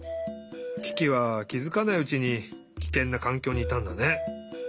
キキはきづかないうちにキケンなかんきょうにいたんだね。